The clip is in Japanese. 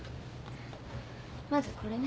まずこれね。